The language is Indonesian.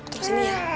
terus ini ya